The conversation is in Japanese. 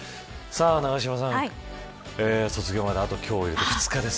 永島さん卒業まであと、今日を入れて２日です。